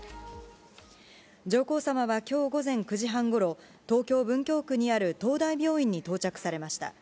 上皇さまはきょう午前９時半ごろ、東京・文京区にある東大病院に到着されました。